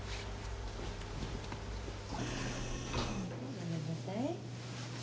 ごめんなさい。